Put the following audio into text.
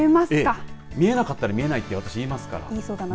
見えなかったら見えないって言いますから。